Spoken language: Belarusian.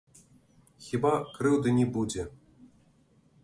Хіба крыўды не будзе.